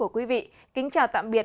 quý vị kính chào tạm biệt